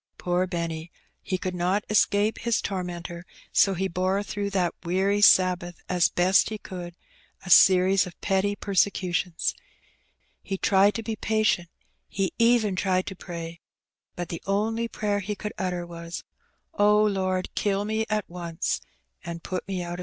" Poor Benny ! he could not escape his tormentor, so he bore throughout that weary Sabbath, as best he could, a series of petty persecutions. He tried to be patient, he even tried to pray, but the only prayer he could utter was, '' O Lord, kill me at once, and put m